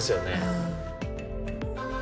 うん。